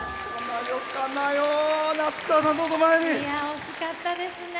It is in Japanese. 惜しかったですね。